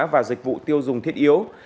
và dịch vụ tiêu dùng thiết yếu